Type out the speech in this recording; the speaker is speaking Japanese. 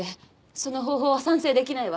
その方法は賛成できないわ。